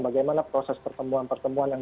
bagaimana proses pertemuan pertemuan yang